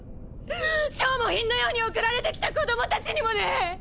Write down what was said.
消耗品のように送られてきた子どもたちにもね！